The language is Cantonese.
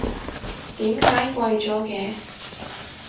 點解貴咗嘅？